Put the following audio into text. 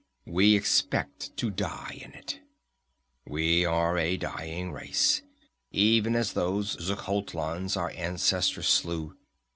We expect to die in it. "We are a dying race, even as those Xuchotlans our ancestors slew.